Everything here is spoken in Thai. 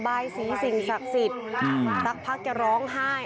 โบราณ์เศรษฐ์ศักดิ์สิทธิ์พรรท์ทรักพรรู้จักร้องห้าย